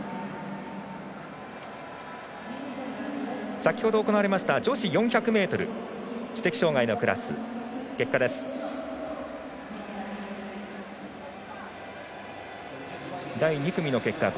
先ほど行われました女子４００ｍ知的障がいのクラス、結果です。